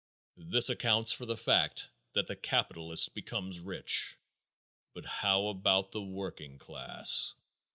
This accounts for the fact that the capitalist becomes rich. But how about the working class?